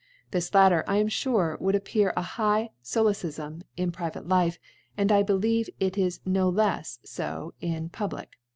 This latter, I am fure, would appear a high Solecifm in private Life, and I believe it is no lefs fo in public.